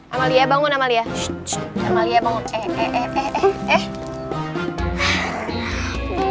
amalia bangun amalia amalia mau kek eh eh eh eh